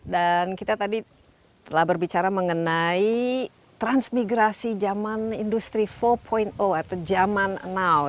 dan kita tadi telah berbicara mengenai transmigrasi zaman industri empat atau zaman now